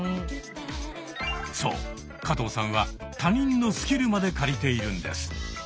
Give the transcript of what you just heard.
そう加藤さんは他人のスキルまで借りているんです。